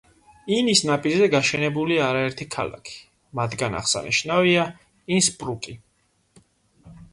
ინის ნაპირზე გაშენებულია არაერთი ქალაქი, მათგან აღსანიშნავია ინსბრუკი.